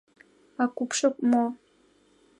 А купшо мо?